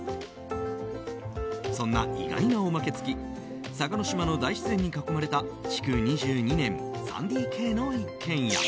そんな意外なおまけ付き嵯峨島の大自然に囲まれた築２２年、３ＤＫの一軒家。